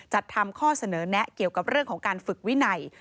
ทำข้อเสนอแนะเกี่ยวกับเรื่องของการฝึกวินัย